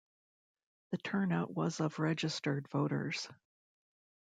The turnout was of registered voters.